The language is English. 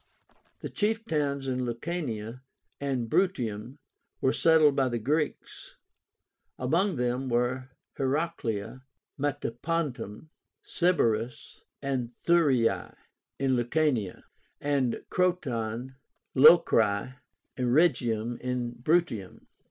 The chief towns in Lucania and Bruttium were settled by the Greeks. Among them were Heracléa, Metapontum, Sybaris, and Thurii, in Lucania; and Croton, Locri, and Rhegium, in Bruttium.